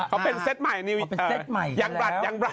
เขาเป็นเซตใหม่ยังรัดยังรัด